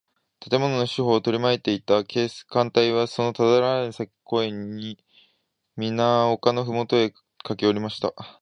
建物の四ほうをとりまいていた警官隊は、そのただならぬさけび声に、みな丘のふもとへかけおりました。